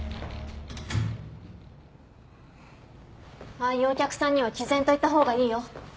ああいうお客さんには毅然と言った方がいいよ。